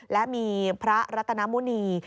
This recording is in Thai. และมีพระรัตนมุณี